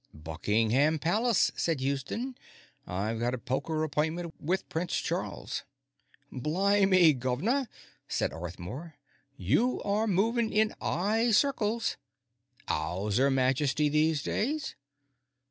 "Buckingham Palace," said Houston. "I've got a poker appointment with Prince Charles." "Blimey, guv'nor," said Arthmore. "You are movin' in 'igh circles! 'Ow's 'Er Majesty these days?"